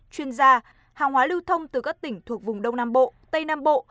chuyên gia hàng hóa lưu thông từ các tỉnh thuộc vùng đông nam bộ tây nam bộ